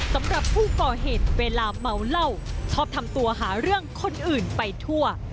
สำหรับผู้ก่อเหตุเวลาเมาเหล้าชอบทำตัวหาเรื่องคนอื่นไปทั่ว